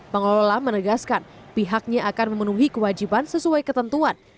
pengelola menegaskan pihaknya akan memenuhi kewajiban sesuai ketentuan